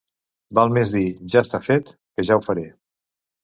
Val més dir «ja està fet» que «ja ho faré».